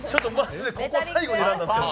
最後に選んだんですけど。